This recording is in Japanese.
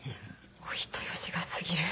お人よしが過ぎる。